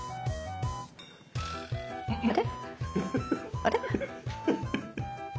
あれ？